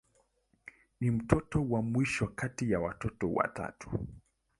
Ni mtoto wa mwisho kati ya watoto watatu.